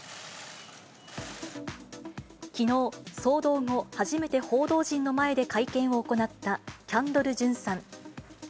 きのう、騒動後初めて報道陣の前で会見を行ったキャンドル・ジュンさん。